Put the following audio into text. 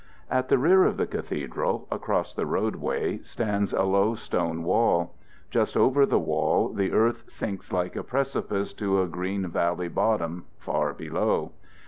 At the rear of the cathedral, across the roadway, stands a low stone wall. Just over the wall the earth sinks like a precipice to a green valley bottom far below.